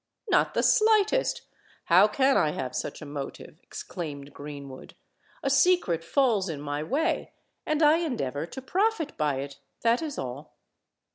"Not the slightest! How can I have such a motive?" exclaimed Greenwood. "A secret falls in my way—and I endeavour to profit by it. That is all."